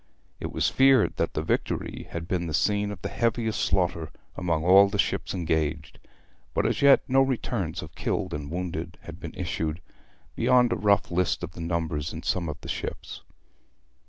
It was feared that the Victory had been the scene of the heaviest slaughter among all the ships engaged, but as yet no returns of killed and wounded had been issued, beyond a rough list of the numbers in some of the ships.